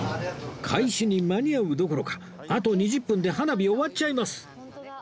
開始に間に合うどころかあと２０分で花火終わっちゃいます